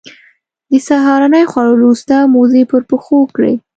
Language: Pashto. سهارنۍ خوړلو وروسته موزې پر پښو کړې.